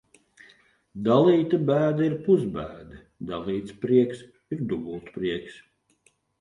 Dalīta bēda ir pusbēda, dalīts prieks ir dubultprieks.